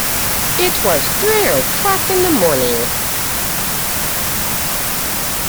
It was three o'clock in the morning.